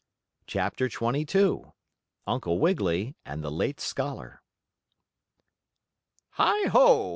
CHAPTER XXII UNCLE WIGGILY AND THE LATE SCHOLAR "Heigh ho!"